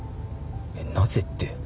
なぜって。